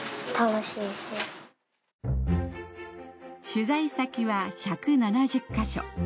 取材先は１７０カ所。